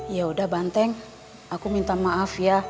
yaudah banteng aku minta maaf ya